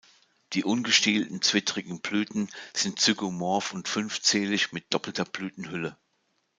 Die ungestielten, zwittrigen Blüten sind zygomorph und fünfzählig mit doppelter Blütenhülle.